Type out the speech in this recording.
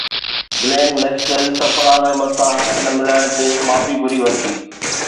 گلين Maxwell Sarfaraz Ahmed سان هٿ نه ملائڻ تي معافي گهري ورتي